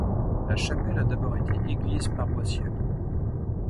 La chapelle a d'abord été église paroissiale.